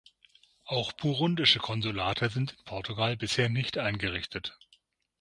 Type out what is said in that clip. Auch burundische Konsulate sind in Portugal bisher nicht eingerichtet.